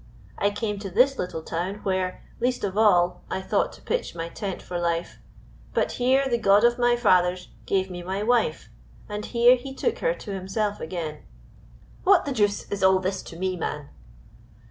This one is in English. I came to this little town, where, least of all, I thought to pitch my tent for life, but here the God of my fathers gave me my wife, and here He took her to Himself again " "What the deuce is all this to me, man?"